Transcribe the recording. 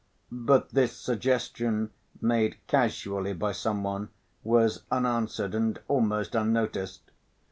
But this suggestion made casually by some one was unanswered and almost unnoticed.